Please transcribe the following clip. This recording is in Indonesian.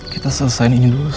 kita selesain ini dulu sama sama